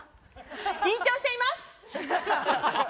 緊張しています！